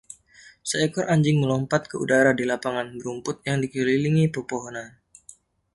Seekor anjing melompat ke udara di lapangan berumput yang dikelilingi pepohonan.